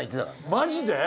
マジで！？